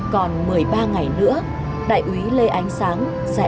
còn một mươi ba ngày nữa đại úy lê ánh sáng sẽ